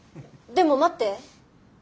でも待って。